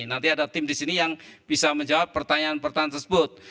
nanti ada tim di sini yang bisa menjawab pertanyaan pertanyaan tersebut